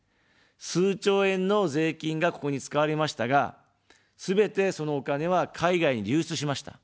数兆円の税金が、ここに使われましたが、すべて、そのお金は海外に流出しました。